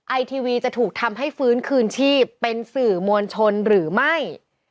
ไอทีวีจะถูกทำให้ฟื้นคืนชีพเป็นสื่อมวลชนหรือไม่